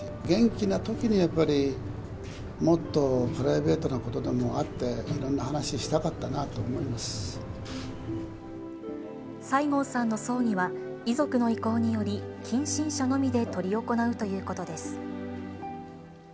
元気なときにやっぱり、もっとプライベートなことでも会って、いろんな話、したかったな西郷さんの葬儀は、遺族の意向により、近親者のみで執り行うということです。